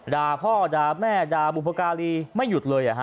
ด่าพ่อด่าแม่ด่าบุพการีไม่หยุดเลย